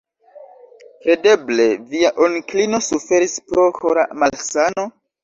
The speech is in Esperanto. Kredeble via onklino suferis pro kora malsano?